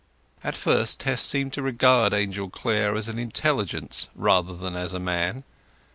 At first Tess seemed to regard Angel Clare as an intelligence rather than as a man.